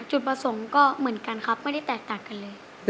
จุดประสงค์ก็เหมือนกันครับไม่ได้แตกต่างกันเลย